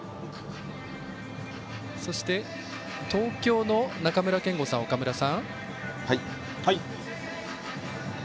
そして東京の中村憲剛さん、岡村さん。